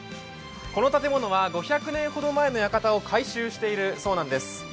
この建物は５００年ほど前の館を改修しているそうなんです。